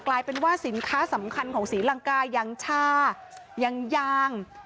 กลายเป็นว่าสินค้าสำคัญของศรีลังกายังชายังยาง